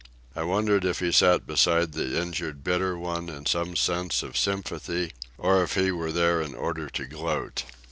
I wondered if he sat beside the injured bitter one in some sense of sympathy, or if he were there in order to gloat.